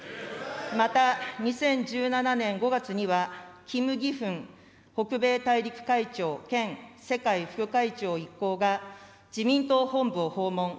また２０１７年５月には、キム・ギフン北米大陸会長兼世界副会長一行が、自民党本部を訪問。